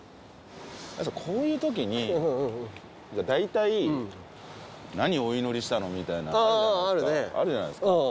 こういうときにだいたい「何お祈りしたの？」みたいなのあるじゃないですか。